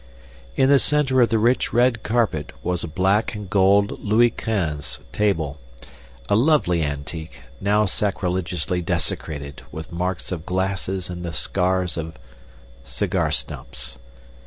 In the center of the rich red carpet was a black and gold Louis Quinze table, a lovely antique, now sacrilegiously desecrated with marks of glasses and the scars of cigar stumps.